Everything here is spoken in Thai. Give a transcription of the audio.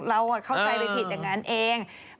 เราเข้าใจไปผิดอย่างนั้นเอง